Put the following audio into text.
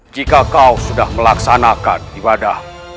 jika kau sudah melaksanakan ibadah